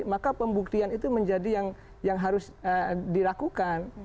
maka pembuktian itu menjadi yang harus dilakukan